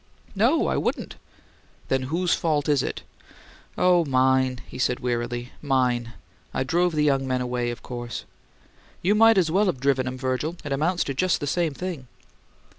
"No; I wouldn't." "Then whose fault is it?" "Oh, mine, mine," he said, wearily. "I drove the young men away, of course." "You might as well have driven 'em, Virgil. It amounts to just the same thing."